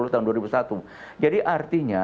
tahun dua ribu satu jadi artinya